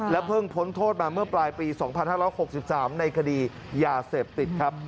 เพิ่งพ้นโทษมาเมื่อปลายปี๒๕๖๓ในคดียาเสพติดครับ